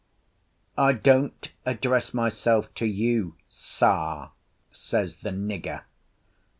"I don't address myself to you, Sah," says the nigger.